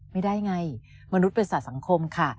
ไม่ได้ไงมนุษย์เป็นสัตว์สังคมค่ะ